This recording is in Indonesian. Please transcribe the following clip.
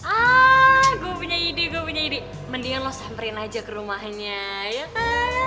ah gue punya ide gue punya ide mendingan lo samperin aja ke rumahnya ya